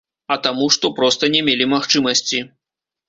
А таму, што проста не мелі магчымасці.